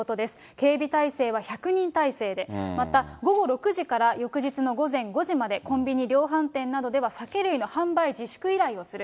警備態勢は１００人態勢で、また午後６時から翌日の午前５時まで、コンビに、量販店などでは酒類の販売自粛依頼をする。